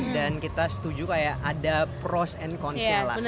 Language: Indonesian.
dan kita setuju kayak ada pros and cons ya lah